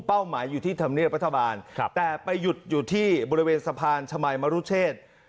หมายอยู่ที่ธรรมเนียบรัฐบาลแต่ไปหยุดอยู่ที่บริเวณสะพานชมัยมรุเชษ